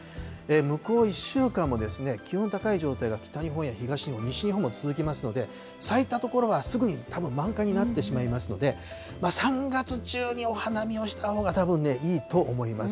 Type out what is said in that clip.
向こう１週間も気温高い状態が北日本や東日本、西日本も続きますので、咲いた所はすぐに多分満開になってしまいますので、３月中にお花見をしたほうがたぶんね、いいと思います。